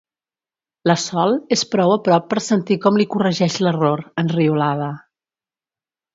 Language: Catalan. La Sol és prou a prop per sentir com li corregeix l'error, enriolada.